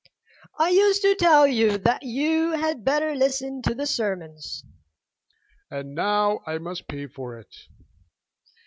I used to tell you that you had better listen to the sermons." "And now I must pay for it!"